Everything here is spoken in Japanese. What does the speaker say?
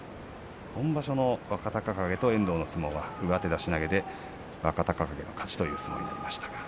今場所の若隆景と遠藤の相撲は上手出し投げで若隆景の勝ちでした。